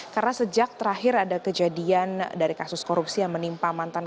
karena sejak terakhir ada kejadian dari kasus korupsi yang menimpa mantan kppg